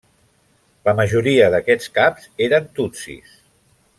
La majoria d'aquests caps eren tutsis.